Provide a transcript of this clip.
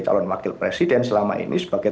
calon wakil presiden selama ini sebagai